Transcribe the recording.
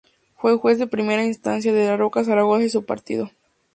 Fue Juez de Primera Instancia de Daroca, Zaragoza, y su partido.